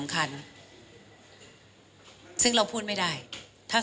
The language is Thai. แล้วก็มีการอ้างอิงว่าผู้เสียหาย